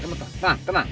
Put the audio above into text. nah tenang tenang